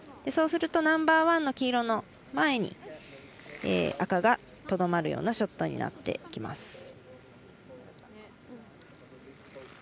そうするとナンバーワンの黄色の前に赤がとどまるようなショットになります。